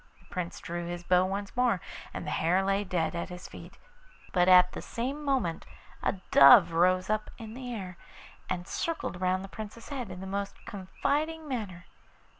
The Prince drew his bow once more, and the hare lay dead at his feet; but at the same moment a dove rose up in the air, and circled round the Prince's head in the most confiding manner.